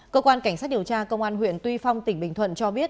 cơ quan cảnh sát điều tra công an huyện tuy phong tỉnh bình thuận cho biết